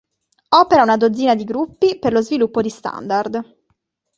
Opera una dozzina di gruppi per lo sviluppo di standard.